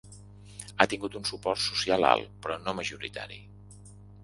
Ha tingut un suport social alt, però no majoritari.